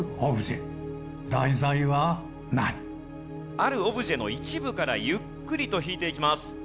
あるオブジェの一部からゆっくりと引いていきます。